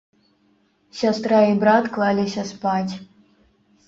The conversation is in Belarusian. Сястра і брат клаліся спаць.